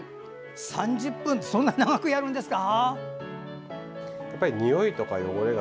３０分ってそんな長くやるんですか？